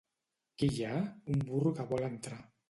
—Qui hi ha? —Un burro que vol entrar.